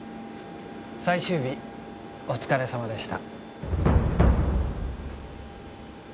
最終日お疲れさまでした